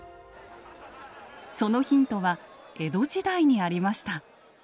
そのヒントは江戸時代にありました。